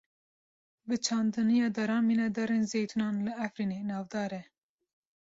Bi çandiniya daran, mîna darên zeytûnan li Efrînê, navdar e.